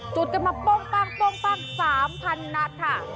จุดกันมา๓๐๐๐นัดค่ะ